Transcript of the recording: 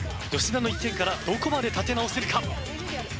吉田の１点からどこまで立て直せるか？